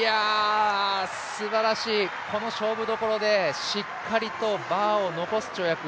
すばらしい、この勝負どころで、しっかりバーを残す跳躍。